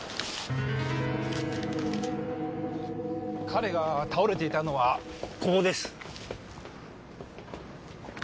彼が倒れていたのはここです。